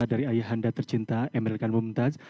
dari ayah anda tercinta emelkan mumtaz